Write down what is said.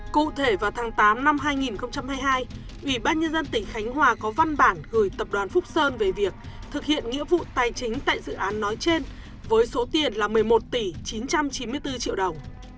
cụ thể vào tháng tám năm hai nghìn hai mươi hai ủy ban nhân dân tỉnh khánh hòa có văn bản gửi tập đoàn phúc sơn về việc thực hiện nghĩa vụ tài chính tại dự án nói trên với số tiền là một mươi một tỷ chín trăm chín mươi bốn triệu đồng